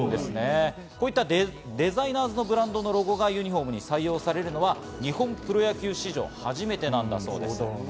デザイナーズのブランドのロゴがユニフォームに採用されるのは日本プロ野球史上初めてなんだそうです。